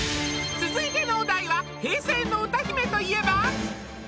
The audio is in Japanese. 続いてのお題は平成の歌姫といえば？